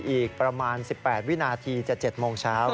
อีกประมาณ๑๘วินาทีจะ๗โมงเช้า